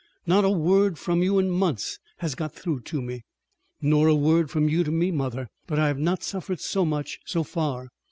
Not a word from you in months has got through to me!" "Nor a word from you to me, mother, but I have not suffered so much so far.